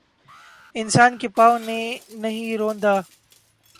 انسان کےپاؤں نے نہیں روندا